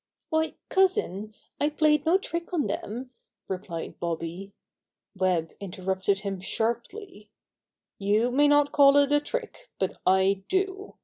"Why, cousin, I played no trick on them," replied Bobby. Web interrupted him sharply: "You may not call it a trick, but I do.